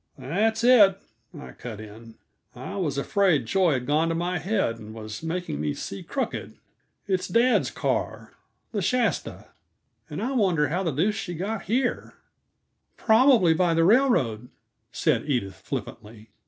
"That's it," I cut in. "I was afraid joy had gone to my head and was making me see crooked. It's dad's car, the Shasta. And I wonder how the deuce she got here!" "Probably by the railroad," said Edith flippantly.